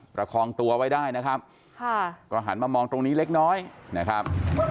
ประคองตัวไว้ได้นะครับค่ะก็หันมามองตรงนี้เล็กน้อยนะครับ